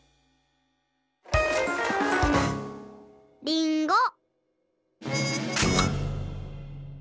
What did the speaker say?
りんご。